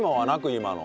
今の。